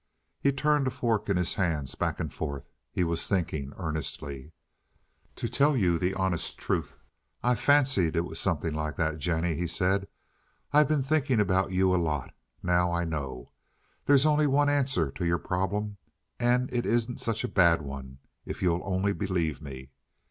He turned a fork in his hands back and forth; he was thinking earnestly. "To tell you the honest truth, I fancied it was something like that, Jennie," he said. "I've been thinking about you a lot. Now, I know. There's only one answer to your problem, and it isn't such a bad one, if you'll only believe me."